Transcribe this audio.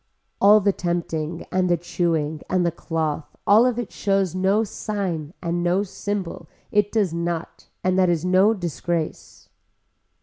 All the tempting and the chewing and the cloth all of it shows no sign and no symbol it does not and that is no disgrace.